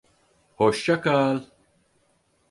Hosça kal.